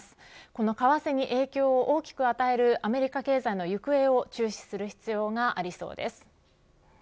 この為替に影響を大きく与えるアメリカ経済の行方を注視する必要がありそうです。